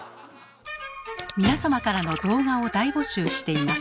皆様からの動画を大募集しています。